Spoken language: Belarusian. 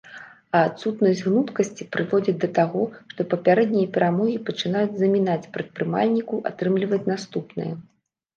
А адсутнасць гнуткасці прыводзіць да таго, што папярэднія перамогі пачынаюць замінаць прадпрымальніку атрымліваць наступныя.